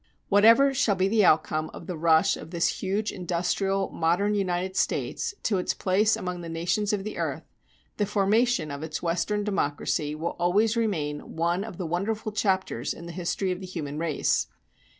Whatever shall be the outcome of the rush of this huge industrial modern United States to its place among the nations of the earth, the formation of its Western democracy will always remain one of the wonderful chapters in the history of the human race.